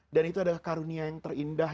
dan itu adalah karunia yang terindah